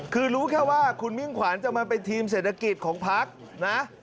คือรู้แค่ว่าคุณมิ่งขวัญจะมาเป็นทีมเศรษฐกิจของพักนะ